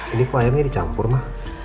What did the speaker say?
ini kuahnya dicampur mah